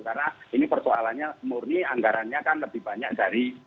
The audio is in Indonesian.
karena ini persoalannya murni anggarannya kan lebih banyak dari